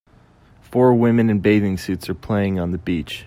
Four women in bathing suits are playing on the beach